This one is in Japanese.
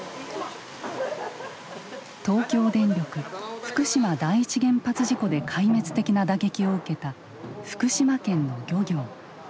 東京電力福島第一原発事故で壊滅的な打撃を受けた福島県の漁業。